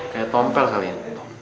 kayak tompel kali ya